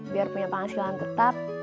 biar punya penghasilan tetap